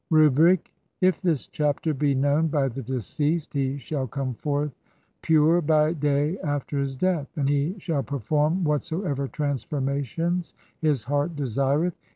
Rubric : [if] this chapter [be known by the deceased] he shall COME FORTH PURE BY DAY AFTER HIS DEATH, AND HE SHALL PERFORM WHATSOEVER TRANSFORMATIONS HIS HEART DESLRETH.